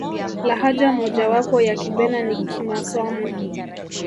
lahaja moja wapo ya kibena ni kimaswamu